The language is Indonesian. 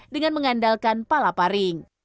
dengan mengandalkan palaparing